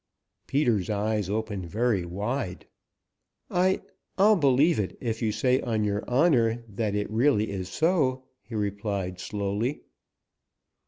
Peter's eyes opened very wide. "I I'll believe it if you say on your honor that it realty is so," he replied slowly.